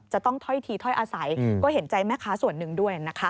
จะต้องถ้อยทีถ้อยอาศัยก็เห็นใจแม่ค้าส่วนหนึ่งด้วยนะคะ